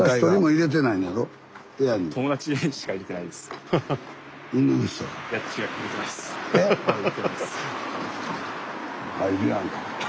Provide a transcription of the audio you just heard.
入るやんか。